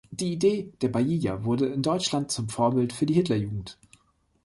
Die Idee der Balilla wurde in Deutschland zum Vorbild für die Hitlerjugend.